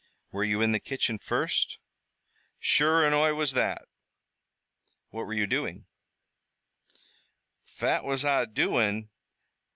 "Were you in the kitchen first." "Sure an' Oi was that." "What were you doing?" "Phat was Oi doin'?